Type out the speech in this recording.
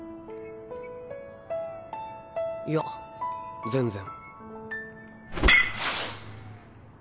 いや全然。